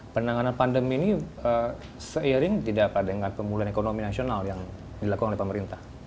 penanganan pandemi ini seiring tidak pada pemulihan ekonomi nasional yang dilakukan oleh pemerintah